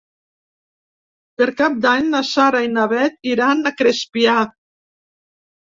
Per Cap d'Any na Sara i na Bet iran a Crespià.